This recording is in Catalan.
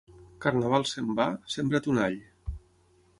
Carnaval se'n va, sembra ton all.